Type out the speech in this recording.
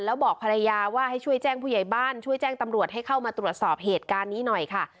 แล้วบอกภรรยาว่าให้ช่วยแจ้งผู้ใหญ่บ้านช่วยแจ้งตำรวจให้เข้ามาตรวจสอบเหตุการณ์นี้หน่อยค่ะ